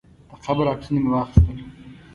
د قبر عکسونه مې واخیستل.